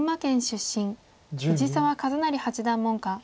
藤澤一就八段門下。